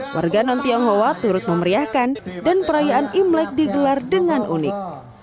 warga non tionghoa turut memeriahkan dan perayaan imlek digelar dengan unik